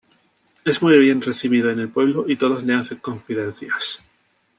Es muy bien recibido en el pueblo y todos le hacen confidencias.